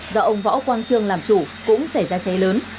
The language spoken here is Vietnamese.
do ông võ quang trương làm chủ cũng xảy ra cháy lớn